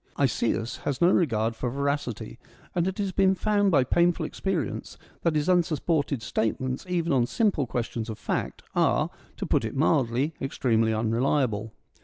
Isaeus has no regard for veracity, and it has been found by painful experience that his unsupported state ments, even on simple questions of fact, are, to put it mildly, extremely unreliable.